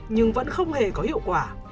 nhưng vẫn không hề có hiệu quả